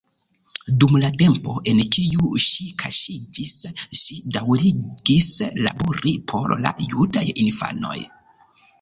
Dum la tempo en kiu ŝi kaŝiĝis, ŝi daŭrigis labori por la judaj infanoj.